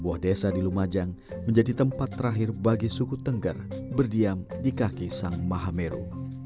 sebuah desa di lumajang menjadi tempat terakhir bagi suku tengger berdiam di kaki sang mahameru